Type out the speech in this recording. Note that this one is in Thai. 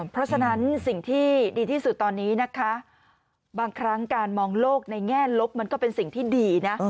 เพราะฉะนั้นสิ่งที่ดีที่สุดตอนนี้นะคะบางครั้งการมองโลกในแง่ลบมันก็เป็นสิ่งที่ดีนะ